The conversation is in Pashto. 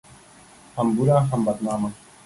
هم بوره ، هم بدنامه